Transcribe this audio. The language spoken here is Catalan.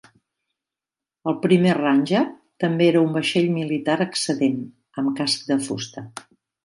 El primer "Ranger" també era un vaixell militar excedent amb casc de fusta.